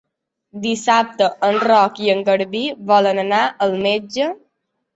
Dissabte en Roc i en Garbí volen anar al metge.